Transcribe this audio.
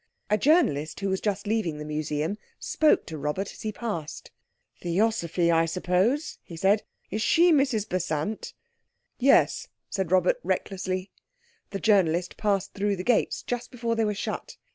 A journalist, who was just leaving the museum, spoke to Robert as he passed. "Theosophy, I suppose?" he said. "Is she Mrs Besant?" "Yes," said Robert recklessly. The journalist passed through the gates just before they were shut.